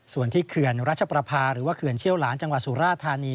ส่วนที่เขื่อนรัชประพาหรือว่าเขื่อนเชี่ยวหลานจังหวัดสุราธานี